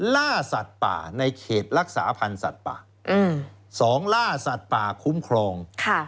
ล่าสัตว์ป่าในเขตรักษาพันธ์สัตว์ป่า๒ล่าสัตว์ป่าคุ้มครอง